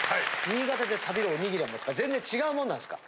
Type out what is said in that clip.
新潟県で食べるおにぎりはぜんぜん違うもんなんですか？